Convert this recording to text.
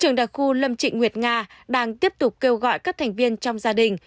trường đặc khu lâm trịnh nguyệt nga đang tiếp tục kêu gọi các thành viên trong gia đình